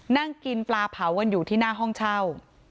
นั่งกินปลาเผากันอยู่ที่หน้าห้องเช่า